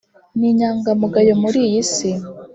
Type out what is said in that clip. ni inyangamugayo muri iyi si